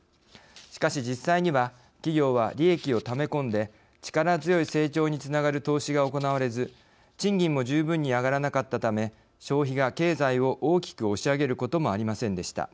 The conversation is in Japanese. しかし、実際には企業は利益をため込んで力強い成長につながる投資が行われず賃金も十分に上がらなかったため消費が経済を大きく押し上げることもありませんでした。